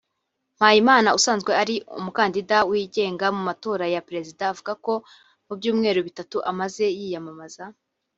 Mpayimana usanzwe ari umukandida wigenda mu matora ya Perezida avuga ko mu byumweru bitatu amaze yiyamamaza